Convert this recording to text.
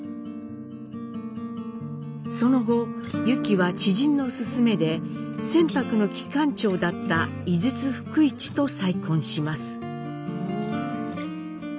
その後ユキは知人の勧めで船舶の機関長だった井筒福市と再婚します。